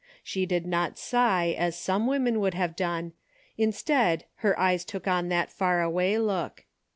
She did not sigh as some women would have done. Instead, her eyes took on that far away look.